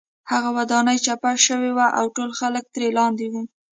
هغه ودانۍ چپه شوې وه او ټول خلک ترې لاندې وو